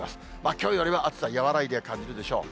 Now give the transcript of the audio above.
きょうよりは暑さ和らいで感じるでしょう。